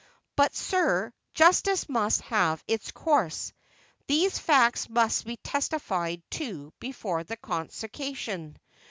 But, sir, justice must have its course. These facts must be testified to before the Consociation.